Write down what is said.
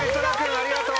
ありがとう！